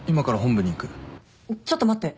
ちょっと待って。